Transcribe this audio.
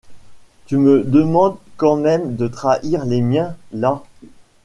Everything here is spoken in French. Tu me demandes quand même de trahir les miens, là.